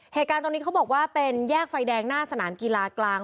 เหตุการณ์ตรงนี้เขาบอกว่าเป็นแยกไฟแดงหน้าสนามกีฬากลาง